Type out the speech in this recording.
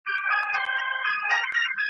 له خپل تربوره مو د سلو کالو غچ اخیستی .